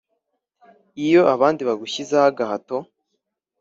Iyo abandi bagushyizeho agahato